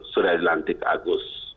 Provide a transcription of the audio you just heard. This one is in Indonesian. sudah dilantik agus gumiwang